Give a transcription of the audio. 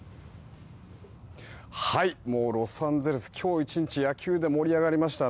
ロサンゼルス、今日１日野球で盛り上がりました。